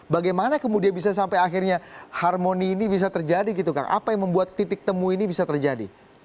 bagaimana kemudian bisa sampai akhirnya harmoni ini bisa terjadi gitu kang apa yang membuat titik temu ini bisa terjadi